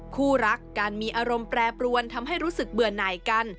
คู่รักการมีอารมณ์แปรปรวนทำให้รู้สึกเบื่อหน่ายกัน